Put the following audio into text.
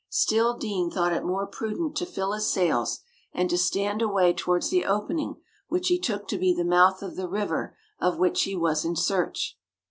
Still Deane thought it more prudent to fill his sails, and to stand away towards the opening which he took to be the mouth of the river of which he was in search.